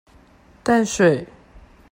淡水